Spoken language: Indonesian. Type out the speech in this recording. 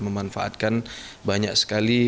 memanfaatkan banyak sekali